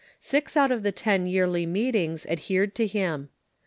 Six out of the ten Yearly Meetings ad hered to him.